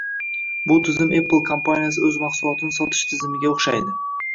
Bu tizim Apple kompaniyasi o‘z mahsulotlarini sotish tizimiga o‘xshaydi.